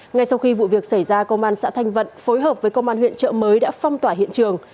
ngay sau khi vụ việc xảy ra công an xã thanh vận phối hợp với công an huyện trợ mới đã phong tỏa hiện trường